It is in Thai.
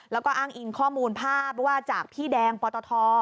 แล้วก็อ้างอิงข้อมูลภาพว่าจากพี่แดงปตท